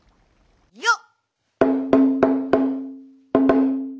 よっ！